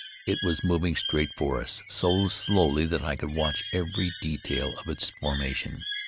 It was moving straight for us, so slowly that I could watch every detail of its formation.